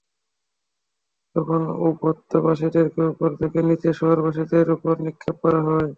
তখন উপত্যকাবাসীদেরকে উপর থেকে নিচে শহরবাসীদের উপর নিক্ষেপ করা হয়।